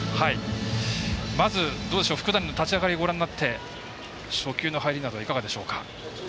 まず、福谷の立ち上がりをご覧になって初球の入りなどはいかがですか。